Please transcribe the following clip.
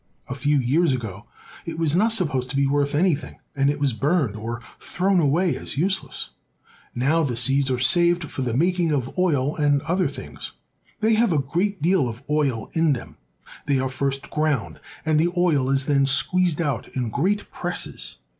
A few years ago it was not supposed to be worth anything, and it was burned or thrown away as useless. Now the seeds Baling Cotton. are saved for the making of oil and other things. They have a great deal of oil in them. They are first ground, and the oil is then squeezed out in great presses.